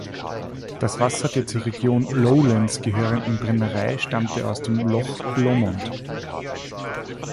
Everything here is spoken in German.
Das Wasser der zur Region Lowlands gehörenden Brennerei stammte aus dem Loch Lomond.